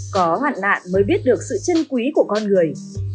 có hoạn nạn mới biết được sự chân quý của con người